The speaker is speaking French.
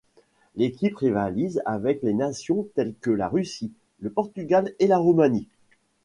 L'équipe rivalise avec les nations telles que la Russie, le Portugal et la Roumanie.